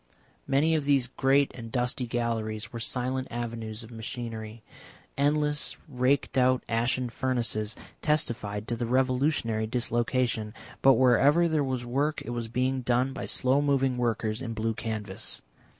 Many of these great and dusty galleries were silent avenues of machinery, endless raked out ashen furnaces testified to the revolutionary dislocation, but wherever there was work it was being done by slow moving workers in blue canvas.